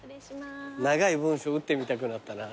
長い文章打ってみたくなったな。